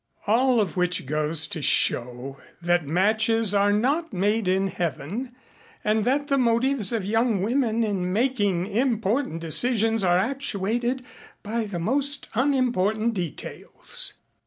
All of which goes to show that matches are not made in Heaven and that the motives of young women in making important decisions are actuated by the most unimportant details.